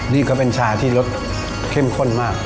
นี่ก็เป็นชาที่รสเข้มข้นมาก